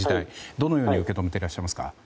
どのように受け止めていらっしゃいますか？